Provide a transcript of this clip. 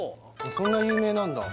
そんな有名なんだ